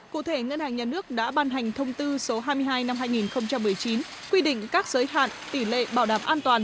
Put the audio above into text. cụ thể ngân hàng nhà nước đã ban hành thông tư số hai mươi hai năm hai nghìn một mươi chín quy định các giới hạn tỷ lệ bảo đảm an toàn